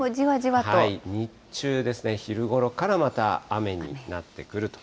日中ですね、昼ごろからまた、雨になってくると。